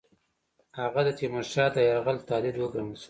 هغه د تیمورشاه د یرغل تهدید وګڼل شو.